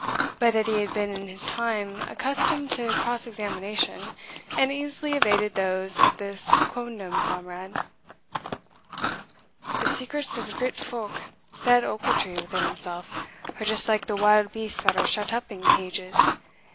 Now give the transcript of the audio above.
But Edie had been in his time accustomed to cross examination, and easily evaded those of his quondam comrade. "The secrets of grit folk," said Ochiltree within himself, "are just like the wild beasts that are shut up in cages.